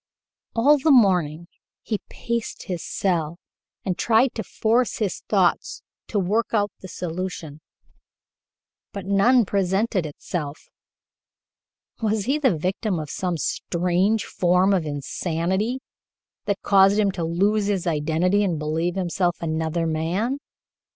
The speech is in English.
All the morning he paced his cell and tried to force his thoughts to work out the solution, but none presented itself. Was he the victim of some strange form of insanity that caused him to lose his identity and believe himself another man?